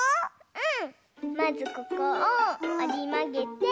うん？